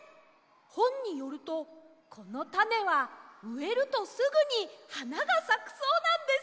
ほんによるとこのタネはうえるとすぐにはながさくそうなんです！